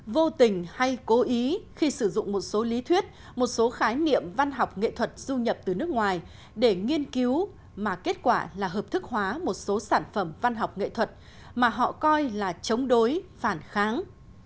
vô tình hay cố ý khi sử dụng một số lý thuyết một số khái niệm văn học nghệ thuật du nhập từ nước ngoài để nghiên cứu mà kết quả là hợp thức hóa một số sản phẩm văn học nghệ thuật mà họ coi là chống đối phản kháng